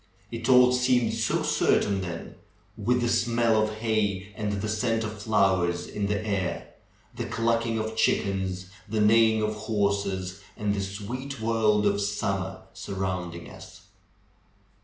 It all seemed so certain then, with the smell of hay and the scent of flowers in the air, the clucking of chickens, the neighing of horses, and the sweet world of summer surrounding us.